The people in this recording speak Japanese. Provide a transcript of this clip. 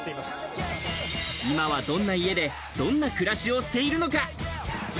今はどんな家でどんな暮らしをしているのか。